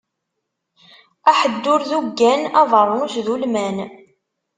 Aḥeddur d uggan, abeṛnus d ulman.